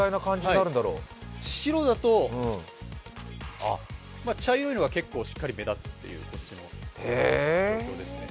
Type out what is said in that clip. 白だと、茶色いのが結構しっかりと目立つという状況ですね。